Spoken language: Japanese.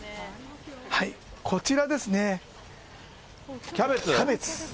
こちらですね、キャベツ。